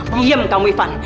diam kamu ivan